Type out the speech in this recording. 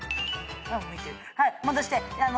はい戻して。